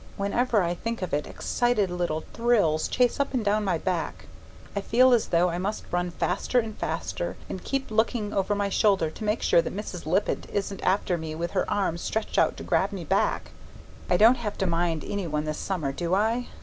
Whenever I think of it excited little thrills chase up and down my back. I feel as though I must run faster and faster and keep looking over my shoulder to make sure that Mrs. Lippett isn't after me with her arm stretched out to grab me back. I don't have to mind any one this summer, do I?